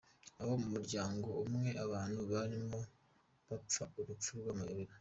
Aho mu muryango umwe abantu barimo bapfa urupfu rw’amayobera.